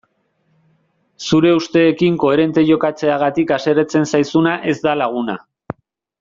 Zure usteekin koherente jokatzeagatik haserretzen zaizuna ez da laguna.